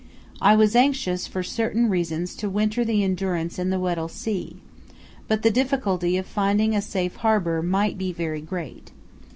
I was anxious for certain reasons to winter the Endurance in the Weddell Sea, but the difficulty of finding a safe harbour might be very great.